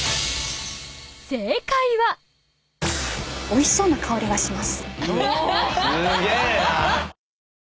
おいしそうな香りがします。